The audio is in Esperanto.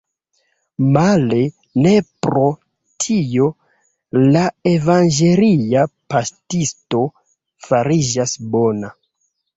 Male, ne pro tio la evangelia paŝtisto fariĝas bona.